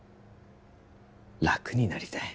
楽になりたい